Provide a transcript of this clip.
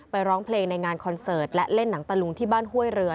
ร้องเพลงในงานคอนเสิร์ตและเล่นหนังตะลุงที่บ้านห้วยเรือ